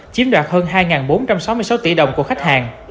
chiếm đoạt hơn hai bốn trăm sáu mươi sáu tỷ đồng của khách hàng